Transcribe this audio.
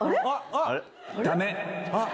あっ！